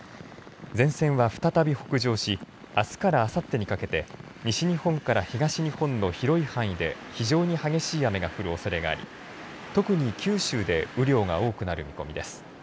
前線は再び北上しあすからあさってにかけて西日本から東日本の広い範囲で非常に激しい雨が降るおそれがあり特に九州で雨量が多くなる見込みです。